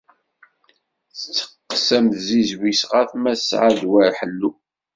Tetteqqes am tzizwit ɣas ma tesɛa ddwa ḥellu.